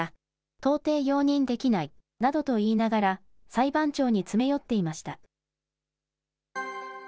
到底容認できないなどと言いながら、裁判長に詰め寄っていました。